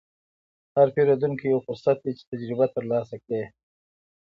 هر پیرودونکی یو فرصت دی چې تجربه ترلاسه کړې.